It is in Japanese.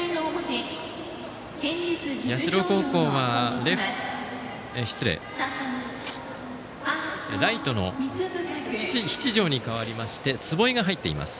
社高校はライトの七條に代わりまして坪井が入っています。